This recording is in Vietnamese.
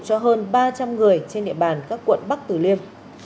cho hơn ba trăm linh người trên địa bàn các quận bắc tử liêm